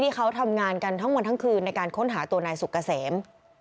เขาทำงานกันทั้งวันทั้งคืนในการค้นหาตัวนายสุกเกษม